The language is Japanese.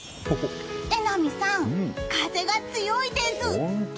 榎並さん、風が強いです。